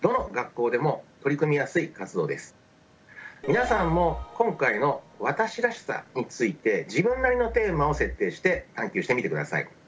皆さんも今回の「私らしさ」について自分なりのテーマを設定して探究してみてください。